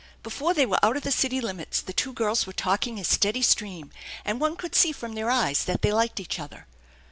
Before they were out of the city limits the two girls were talking a steady stream, and one could see from their eyes that they liked each other.